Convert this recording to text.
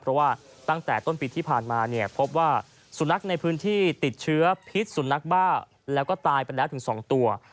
เพราะว่าตั้งแต่ต้นปีที่ผ่านมาเนี่ยพบว่าสุนัขในพื้นที่ติดเชื้อพิษสุนัขบ้าแล้วก็ตายไปแล้วถึง๒ตัว